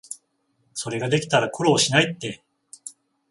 それができたら苦労しないって